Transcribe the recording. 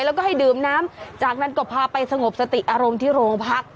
แล้วก็ให้ดื่มน้ำจากนั้นก็พาไปสงบสติอารมณ์ที่โรงพัก